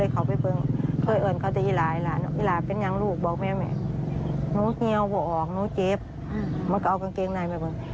เขาไปเบื้องเคยเอิญเขาจะอีหลายอีหลายเป็นยังลูกบอกแม่หนูเงียวหนูออกหนูเจ็บมันก็เอากางเกงในไปเบื้อง